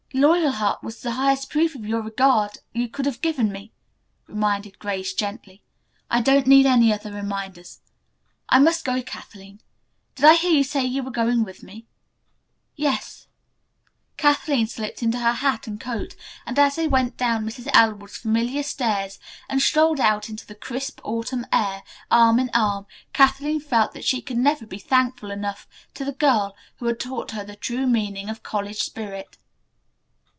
"'Loyalheart' was the highest proof of your regard you could have given me," reminded Grace gently. "I don't need any other reminders. I must go, Kathleen. Did I hear you say you were going with me?" "Yes." Kathleen slipped into her hat and coat, and, as they went down Mrs. Elwood's familiar stairs and strolled out into the crisp autumn air, arm in arm, Kathleen felt that she could never be thankful enough to the girl who had taught her the true meaning of college spirit.